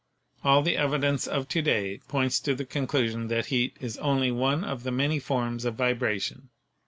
All the evidence of to day points to the conclu sion that heat is only one of the many forms of vibration.